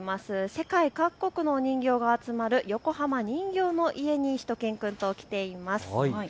世界各国の人形が集まる横浜人形の家にしゅと犬くんと来ています。